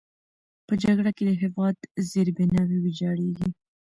په جګړه کې د هېواد زیربناوې ویجاړېږي.